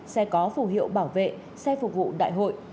xe có phù hiệu bảo vệ xe phục vụ đại hội